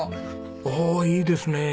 おおいいですね。